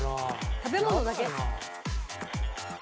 食べ物だけ。